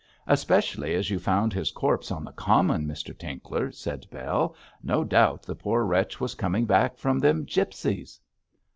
'Especially as you found his corpse on the common, Mr Tinkler,' said Bell, 'no doubt the poor wretch was coming back from them gipsies.'